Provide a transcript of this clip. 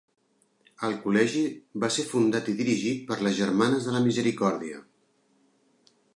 El col·legi va ser fundat i dirigit per les Germanes de la Misericòrdia.